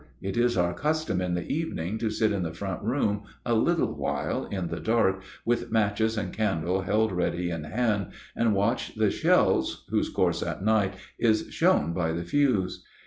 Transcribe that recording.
It is our custom in the evening to sit in the front room a little while in the dark, with matches and candle held ready in hand, and watch the shells, whose course at night is shown by the fuse.